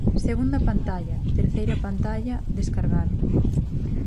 Segunda pantalla, terceira pantalla, descargar.